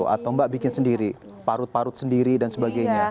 atau mbak bikin sendiri parut parut sendiri dan sebagainya